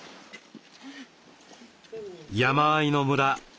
山あいの村。